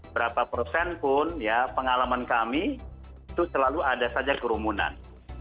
berapa persen pun ya pengalaman kami itu selalu ada saja kerumunan